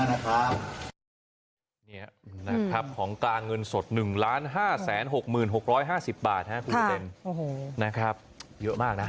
สวัสดีครับของกาเงินสด๑ล้าน๕๖๐๖๕๐บาทนะครับคุณประเทศนะครับเยอะมากนะ